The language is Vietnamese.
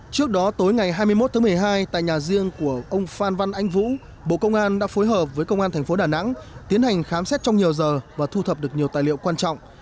trước đó tối ngày hai mươi một tháng một mươi hai tại nhà riêng của ông phan văn anh vũ bộ công an đã phối hợp với công an thành phố đà nẵng tiến hành khám xét trong nhiều giờ và thu thập được nhiều tài liệu quan trọng